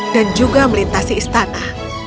dan juga melintasi istana